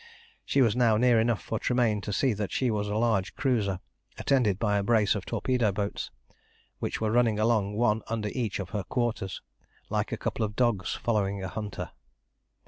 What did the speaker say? She was now near enough for Tremayne to see that she was a large cruiser, and attended by a brace of torpedo boats, which were running along one under each of her quarters, like a couple of dogs following a hunter.